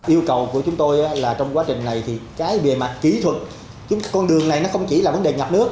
yêu cầu của chúng tôi là trong quá trình này thì cái bề mặt kỹ thuật con đường này nó không chỉ là vấn đề ngập nước